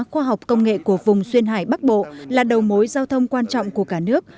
khoa học công nghệ của vùng xuyên hải bắc bộ là đầu mối giao thông quan trọng của cả nước